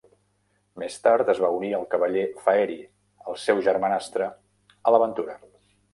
Més tard es va unir al cavaller Faerie, el seu germanastre, a l'aventura.